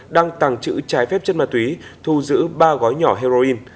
đang tàng trữ trái phép chất ma túy thu giữ ba gói nhỏ heroin